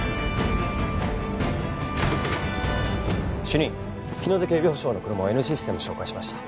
主任日ノ出警備保障の車をＮシステムで照会しました。